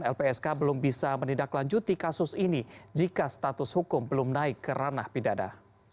lpsk belum bisa menindaklanjuti kasus ini jika status hukum belum naik ke ranah pidana